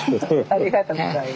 ありがとうございます。